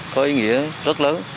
có ý nghĩa rất lớn